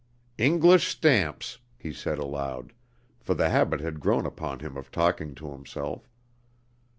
"English stamps!" he said aloud for the habit had grown upon him of talking to himself.